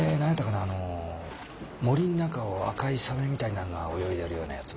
あの森んなかを赤いサメみたいなのが泳いでるようなやつ。